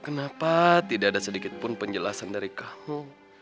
kenapa tidak ada sedikit pun penjelasan dari kamu